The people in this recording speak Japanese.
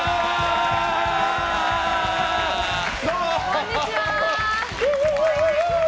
こんにちは。